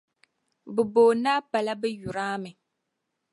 'Bɛ booni a' pa la 'bɛ yur' a mi'.